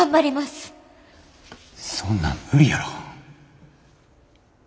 そんなん無理やろ。